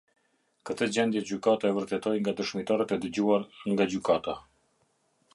Këtë gjendje gjykata e vërtetoi nga dëshmitarët e dëgjuar nga gjykata.